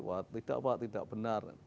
wah tidak pak tidak benar